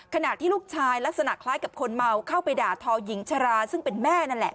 ขณะที่ลูกชายลักษณะคล้ายกับคนเมาเข้าไปด่าทอหญิงชราซึ่งเป็นแม่นั่นแหละ